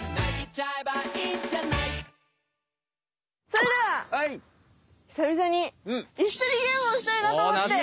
それではひさびさにイスとりゲームをしたいなと思って！